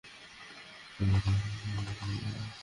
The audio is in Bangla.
আমাদের পিছু নিয়েছে!